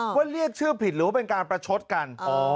ว่าเรียกชื่อผิดหรือว่าเป็นการประชดกัน